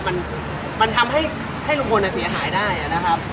มันมันทำให้ลุงพลเสียหายได้นะครับ